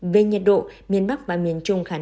về nhiệt độ miền bắc và miền trung khả năng